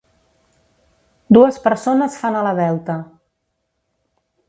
Dues persones fan ala-delta.